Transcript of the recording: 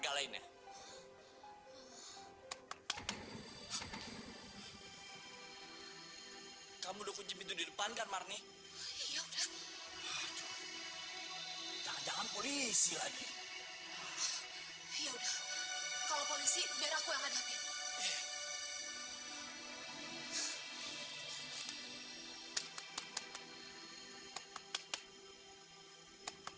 ya sudah kalau gitu kita harus cepat cepat kabur dari sini kang